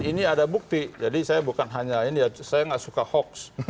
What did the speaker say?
ini ada bukti jadi saya bukan hanya ini ya saya nggak suka hoax